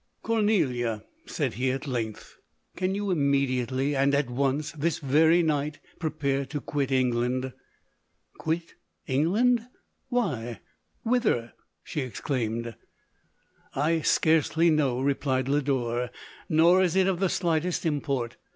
HO " Cornelia, 11 said he, at length, " can you immediately, and at once — this very night — pre pare to quit England ?"" Quit England ! Why '—whither T* she ex claimed. " I scarcely know," replied Lodore, " nor is it of the slightest import.